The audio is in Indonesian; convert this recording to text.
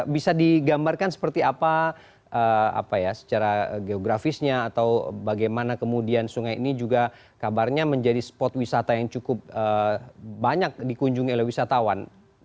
bisa digambarkan seperti apa ya secara geografisnya atau bagaimana kemudian sungai ini juga kabarnya menjadi spot wisata yang cukup banyak dikunjungi oleh wisatawan